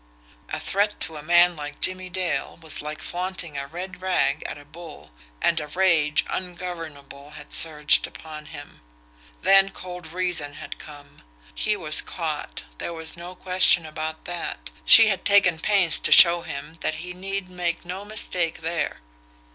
A threat to a man like Jimmie Dale was like flaunting a red rag at a bull, and a rage ungovernable had surged upon him. Then cold reason had come. He was caught there was no question about that she had taken pains to show him that he need make no mistake there.